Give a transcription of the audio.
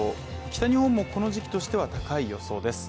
北日本もこの時期としては高い予想です。